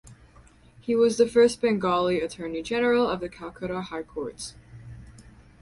He was the first Bengali Attorney General of the Calcutta High Court.